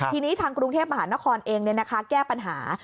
ทีนี้ทางกรุงเทพมหานครเองแก้ปัญหา